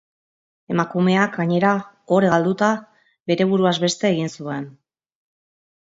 Emakumeak, gainera, ohore galduta, bere buruaz beste egin zuen.